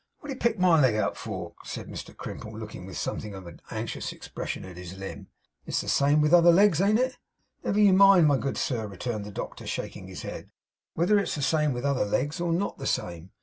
'What do you pick MY leg out for?' said Mr Crimple, looking with something of an anxious expression at his limb. 'It's the same with other legs, ain't it?' 'Never you mind, my good sir,' returned the doctor, shaking his head, 'whether it is the same with other legs, or not the same.